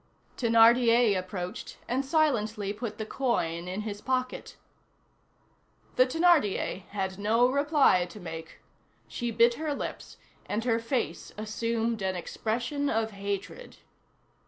Thénardier approached and silently put the coin in his pocket. The Thénardier had no reply to make. She bit her lips, and her face assumed an expression of hatred.